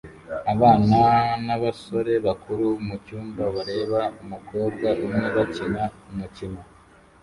Abana n'abasore bakuru mucyumba bareba umukobwa umwe bakina umukino